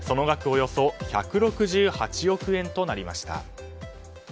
およそ１６８億円となりました。